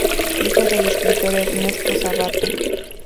Hijo del escritor Ernesto Sabato.